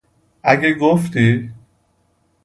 اگه گفتی؟